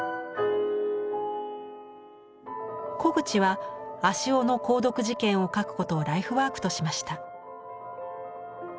小口は足尾の鉱毒事件を描くことをライフワークとしました。